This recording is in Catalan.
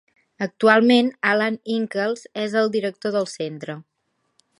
Actualment Alan Inkles és el director del centre.